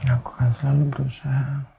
aku kan selalu berusaha